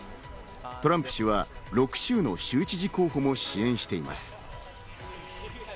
トランプ氏は６州の州知事候補も支援しています。